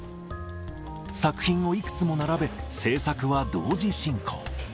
作品をいくつも並べ、制作は同時進行。